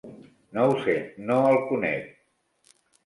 No ho sé, no el conec.